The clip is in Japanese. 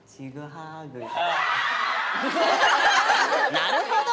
なるほど！